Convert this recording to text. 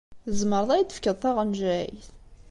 Tzemreḍ ad iyi-d-tefkeḍ taɣenjayt?